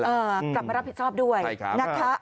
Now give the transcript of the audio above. กลับมารับผิดชอบด้วยนะคะ